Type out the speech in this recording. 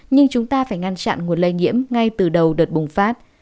nhưng chúng ta phải ngăn chặn nguồn lây nhiễm ngay từ đầu đợt bùng phát